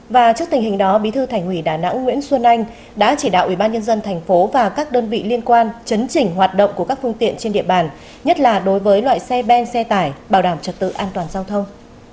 và trước tình hình đó bí thư thành ủy đà nẵng nguyễn xuân anh đã chỉ đạo ubnd tp và các đơn vị liên quan chấn chỉnh hoạt động của các phương tiện trên địa bàn nhất là đối với loại xe ben xe tải bảo đảm trật tự an toàn giao thông